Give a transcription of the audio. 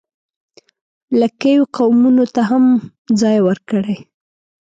لږکیو قومونو ته هم ځای ورکړی.